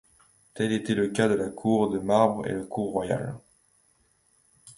Tel était le cas de la cour de marbre et la cour royale.